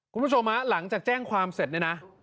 คุณผู้ชมฮะหลังจากแจ้งความเสร็จเนี่ยนะ